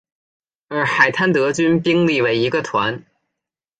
而海滩德军兵力为一个团。